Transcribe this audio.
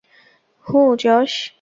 হু, যশ?